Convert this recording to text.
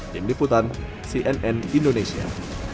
tim liputan cnn indonesia